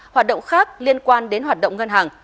hoạt động khác liên quan đến hoạt động ngân hàng